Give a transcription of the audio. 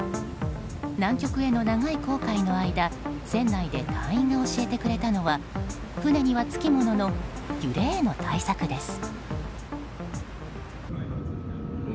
南極への長い航海の間船内で隊員が教えてくれたのは船にはつきものの揺れへの対策です。